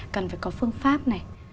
cần phải có phương pháp này